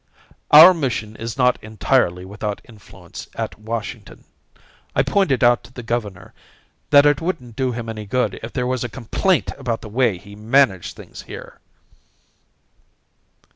"Our mission is not entirely without influence at Washington. I pointed out to the governor that it wouldn't do him any good if there was a complaint about the way he managed things here."